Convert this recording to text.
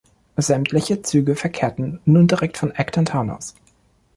Sämtliche Züge verkehrten nun direkt von Acton Town aus.